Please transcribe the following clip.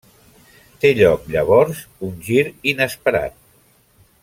Té lloc llavors un gir inesperat.